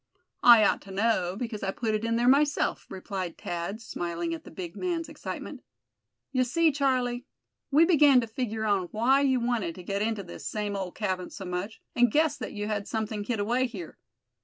"I ought to know, because I put it in there myself," replied Thad, smiling at the big man's excitement. "You see, Charlie, we began to figure on why you wanted to get into this same old cabin so much, and guessed that you had something hid away here.